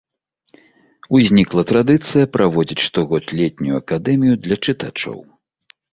Узнікла традыцыя праводзіць штогод летнюю акадэмію для чытачоў.